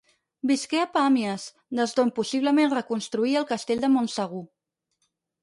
Visqué a Pàmies, des d'on possiblement reconstruí el castell de Montsegur.